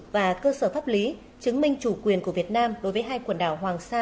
và cơ sở pháp lý chứng minh chủ quyền của việt nam đối với hai quần đảo hoàng sa